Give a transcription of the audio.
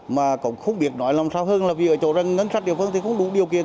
mà cũng không biết nói làm sao hơn là vì ở chỗ rằng ngân sách địa phương thì không đủ điều kiện